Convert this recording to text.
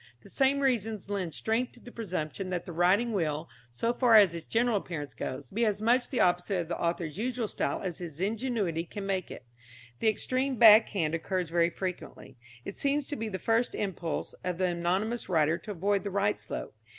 The same reasons lend strength to the presumption that the writing will, so far as its general appearance goes, be as much the opposite of the author's usual style as his ingenuity can make it. The extreme back hand occurs very frequently. It seems to be the first impulse of the anonymous writer to avoid the right slope.